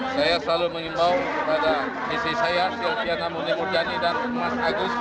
saya selalu mengimbau pada isi saya silviana murni murni dan agus